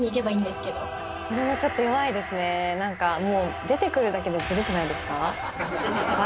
子どもちょっと、弱いですね、なんかもう、出てくるだけでずるくないですか？